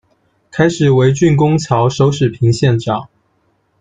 开始为郡功曹，守始平县长。